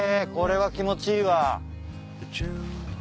これは気持ちいいわ。